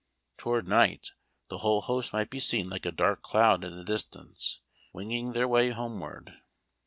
Toward night the whole host might be seen, like a dark cloud in the distance, winging their way homeward.